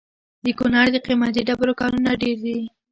د کونړ د قیمتي ډبرو کانونه ډیر دي